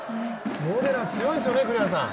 モデナ強いですよね、栗原さん。